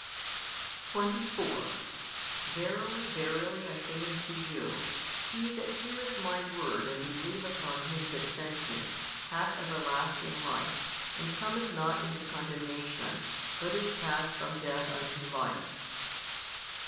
24 Verily verily I say unto you, he that heareth My Word and believeth on Him That sent Me, hath everlasting Life, and cometh not into condemnation, but is passed from death unto life.